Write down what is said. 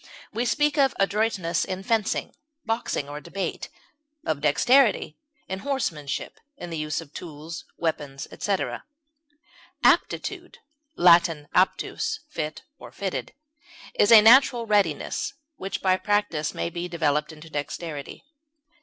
We speak of adroitness in fencing, boxing, or debate; of dexterity in horsemanship, in the use of tools, weapons, etc. Aptitude (L. aptus, fit, fitted) is a natural readiness, which by practise may be developed into dexterity.